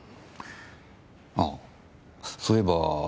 あそういえば。